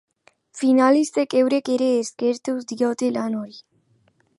Finalistek eurek ere eskertu diote lan hori.